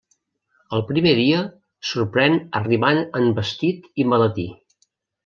El primer dia, sorprèn arribant en vestit i maletí.